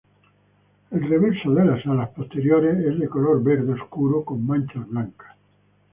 El reverso de las alas posteriores es de color verde oscuro con manchas blancas.